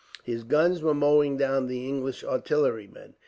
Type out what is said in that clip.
His guns were mowing down the English artillerymen.